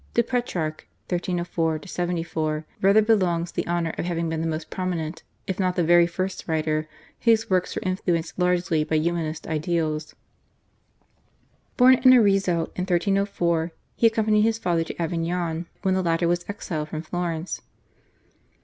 To Petrarch (1304 74) rather belongs the honour of having been the most prominent, if not the very first writer, whose works were influenced largely by Humanist ideals. Born in Arezzo in 1304, he accompanied his father to Avignon when the latter was exiled from Florence.